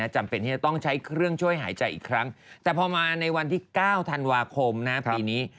จำเป็นที่จะต้องใช้เครื่องช่วยหายใจอีกครั้งแต่พอมาในวันที่๙ธันวาคมปีนี้